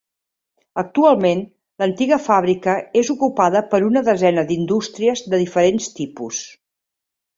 Actualment l'antiga fàbrica és ocupada per una desena d'indústries de diferents tipus.